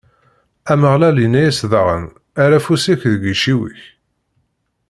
Ameɣlal inna-as daɣen: Err afus-ik deg iciwi-k.